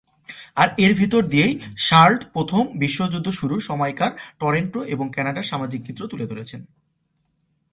আর এর ভেতর দিয়েই শার্লট প্রথম বিশ্বযুদ্ধ শুরুর সময়কার টরন্টো এবং কানাডার সামাজিক চিত্র তুলে ধরেছেন।